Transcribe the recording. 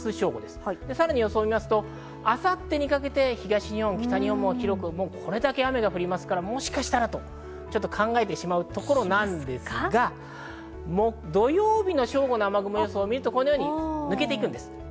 さらに明後日にかけて東日本、北日本も広く、これだけ雨が降りますから、もしかしたらと考えてしまうところなんですが、土曜日の正午の雨雲の予想を見ると抜けていくんです。